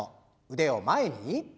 腕を前に。